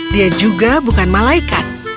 dia juga bukan malaikat